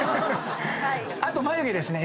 あと眉毛ですね。